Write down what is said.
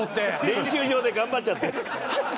練習場で頑張っちゃって。